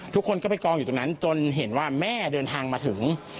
ทุกคนก็ไปกองอยู่ตรงนั้นจนเห็นว่าแม่เดินทางมาถึง